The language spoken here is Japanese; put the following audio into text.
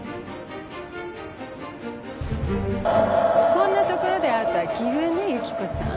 こんなところで会うとは奇遇ね由紀子さん。